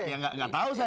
ya gak tau saya